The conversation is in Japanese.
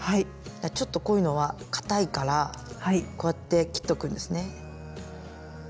ちょっとこういうのはかたいからこうやって切っておくんですね。